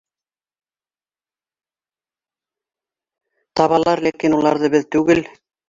— Табалар, ләкин улары беҙ түгел